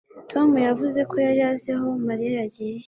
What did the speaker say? Tom yavuze ko yari azi aho Mariya yagiye